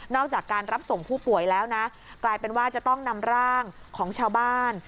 จากการรับส่งผู้ป่วยแล้วนะกลายเป็นว่าจะต้องนำร่างของชาวบ้าน